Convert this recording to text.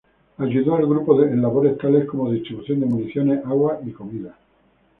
Ayudó al grupo en labores tales como distribución de municiones, agua y comida.